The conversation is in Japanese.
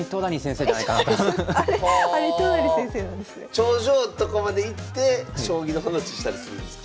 頂上とかまで行って将棋の話したりするんですか？